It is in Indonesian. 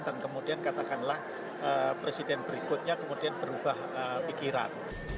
dan kemudian katakanlah presiden berikutnya kemudian berubah pikiran